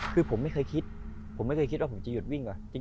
คือผมไม่เคยคิดว่าจะหยุดวิ่งก่อน